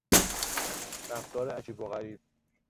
رفتار عجیب و غریب